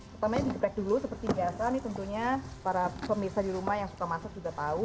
pertamanya digeprek dulu seperti biasa nih tentunya para pemirsa di rumah yang suka masak juga tahu